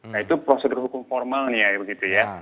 nah itu prosedur hukum formalnya begitu ya